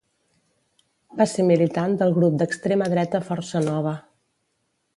Va ser militant del grup d'extrema dreta Força Nova.